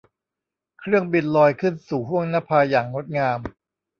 เครื่องบินลอยขึ้นสู่ห้วงนภาอย่างงดงาม